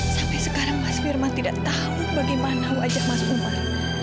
sampai sekarang mas firman tidak tahu bagaimana wajah mas umar